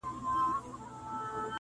د چا د بدو ېې چې تاب رانکړو